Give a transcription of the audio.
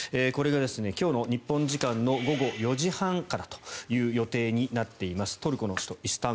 これが今日の日本時間の午後４時半からという予定になっています。